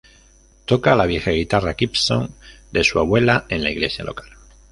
Tocó la vieja guitarra Gibson de su abuela en la iglesia local.